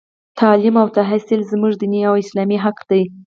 تـعلـيم او تحـصيل زمـوږ دينـي او اسـلامي حـق دى.